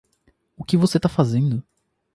O que você tá fazendo?